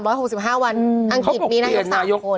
อังกฤษนี้นายก๓คนเขาก็บอกเปลี่ยนนายก